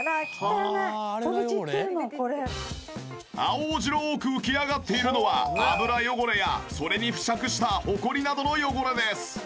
青白く浮き上がっているのは油汚れやそれに付着したホコリなどの汚れです。